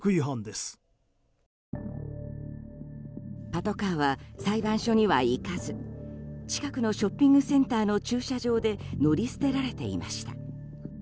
パトカーは裁判所には行かず近くのショッピングセンターの駐車場で乗り捨てられていました。